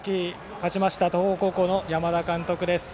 勝ちました東邦高校の山田監督です。